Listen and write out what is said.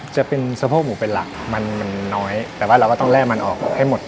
จะเป็นสะโพกหมูเป็นหลักมันมันน้อยแต่ว่าเราก็ต้องแร่มันออกให้หมด